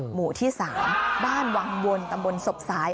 หมู่ที่๓บ้านวังวนตำบลศพสาย